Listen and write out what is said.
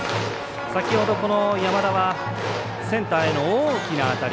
先ほど、山田はセンターへの大きな当たり。